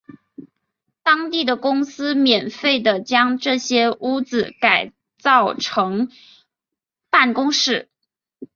当地的公司免费地将这些屋子改造成办公室。